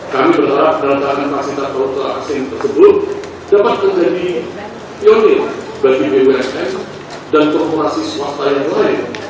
kami berharap perantaran fasilitas untuk aksi ini tersebut dapat menjadi pionir bagi bumn dan korporasi swasta yang lain